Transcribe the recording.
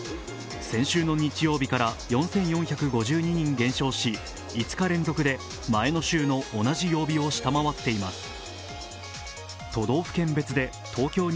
先週の日曜日から４４５２人減少し、５日連続で前の週の同じ曜日を下回っています。